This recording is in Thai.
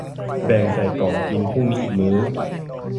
แบ่งใส่กล่องกินพรุ่งนี้อีกมื้อ